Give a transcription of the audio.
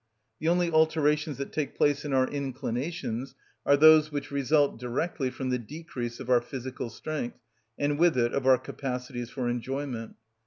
The only alterations that take place in our inclinations are those which result directly from the decrease of our physical strength, and with it of our capacities for enjoyment.